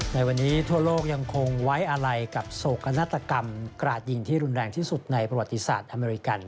ในวันนี้ทั่วโลกยังคงไว้อะไรกับโศกนาฏกรรมกราดยิงที่รุนแรงที่สุดในประวัติศาสตร์อเมริกัน